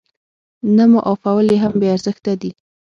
نه معافول يې هم بې ارزښته دي.